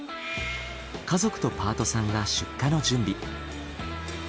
家族とパートさんが出荷の準備。